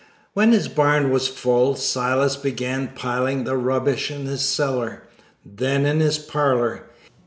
When his barn was full, Silas began piling the rubbish in his cellar, then in his parlor.